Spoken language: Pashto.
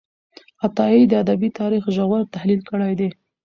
عطايي د ادبي تاریخ ژور تحلیل کړی دی.